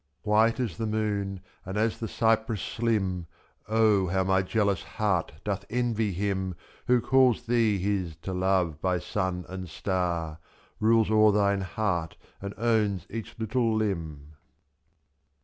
67 White as the moon and as the cypress slim^ O how my jealous heart doth envy him (S3. Who calls thee his to love by sun and star^ Rules o'er thine heart and owns each little limb.